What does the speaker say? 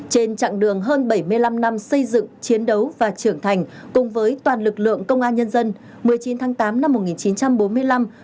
trên chặng đường hơn bảy mươi năm năm xây dựng chiến đấu và trưởng thành cùng với toàn lực lượng công an nhân dân một mươi chín tháng tám năm một nghìn chín trăm bốn mươi năm